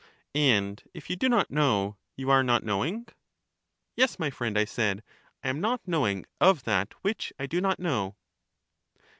And if you do not know, you are not knowing. Yes, my friend, I said, I am not knowing of that which I do not know.